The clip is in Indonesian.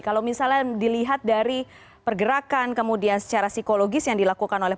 kalau misalnya dilihat dari pergerakan kemudian secara psikologis yang dilakukan oleh